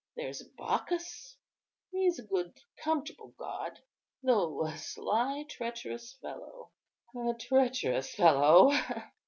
There's Bacchus, he's a good, comfortable god, though a sly, treacherous fellow—a treacherous fellow.